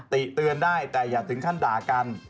ติเตือนได้แต่อย่าถึงขั้นด่ากัน